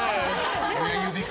親指か。